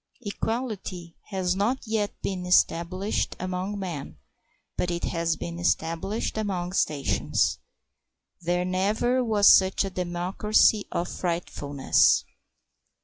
Equality has not yet been established among men, but it has been established among stations. There never was such a democracy of frightfulness.